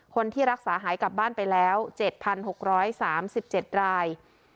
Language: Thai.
คนที่รักษาหายกลับบ้านไปแล้ว๗๖๓๗ราย